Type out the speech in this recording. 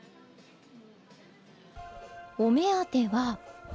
お目当ては。